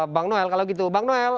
bang noel kalau gitu bang noel